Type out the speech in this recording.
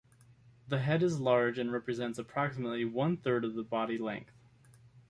The head is large and represents approximately one third of the body length.